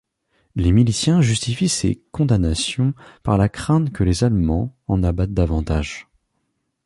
Les miliciens justifient ces condamnations par la crainte que les Allemands en abattent davantage.